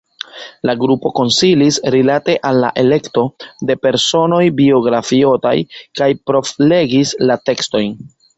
La grupo konsilis rilate al la elekto de personoj biografiotaj kaj provlegis la tekstojn.